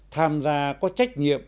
tham gia có trách nhiệm